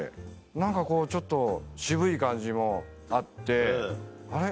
何かこうちょっと渋い感じもあってあれ？